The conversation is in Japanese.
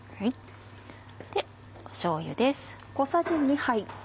しょうゆです。